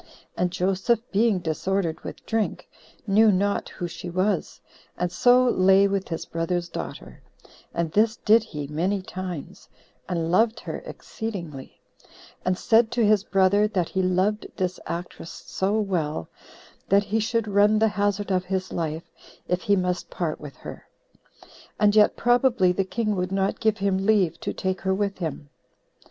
And Joseph, being disordered with drink, knew not who she was, and so lay with his brother's daughter; and this did he many times, and loved her exceedingly; and said to his brother, that he loved this actress so well, that he should run the hazard of his life [if he must part with her], and yet probably the king would not give him leave [to take her with him].